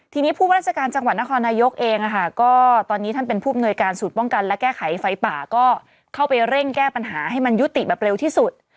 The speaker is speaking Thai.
ทีนี้ผู้ว่าราชการจังหวัดนครนายกเองก็ตอนนี้ท่านเป็นผู้อำนวยการสูตรป้องกันและแก้ไขไฟป่าก็เข้าไปเร่งแก้ปัญหาให้มันยุติแบบเร็วที่สุด